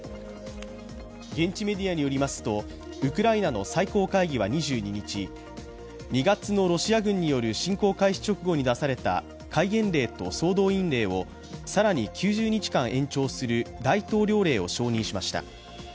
現地メディアによりますとウクライナの最高会議は２２日、２月のロシア軍による侵攻開始直後に出された戒厳令と総動員令を更に９０日間延長する大統領令を承認しました。